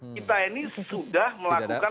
kita ini sudah melakukan